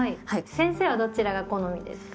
先生はどちらが好みですか？